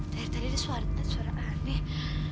tadi tadi ada suara aneh